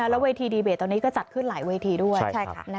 แล้วเวทีดีเบตตอนนี้ก็จัดขึ้นหลายเวทีด้วย